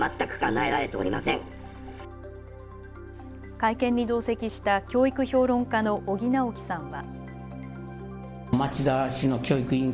会見に同席した教育評論家の尾木直樹さんは。